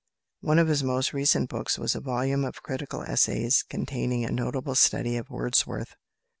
One of his most recent books was a volume of critical essays containing a notable study of Wordsworth.